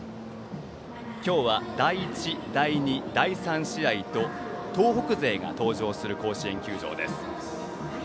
今日は第１、第２、第３試合と東北勢が登場する甲子園球場です。